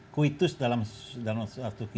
kuitus dalam suatu kehidupan